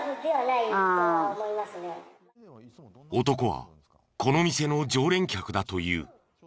男はこの店の常連客だという。